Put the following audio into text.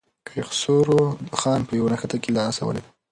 کیخسرو خان په یوه نښته کې له آسه ولوېد.